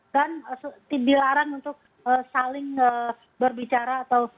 dan dilarang untuk saling berbicara atau